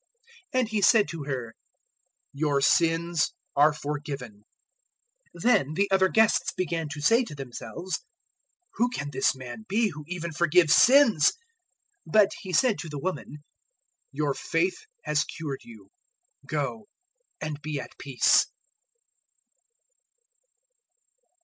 007:048 And He said to her, "Your sins are forgiven." 007:049 Then the other guests began to say to themselves, "Who can this man be who even forgives sins?" 007:050 But He said to the woman, "Your faith has cured you: go, and be at peace."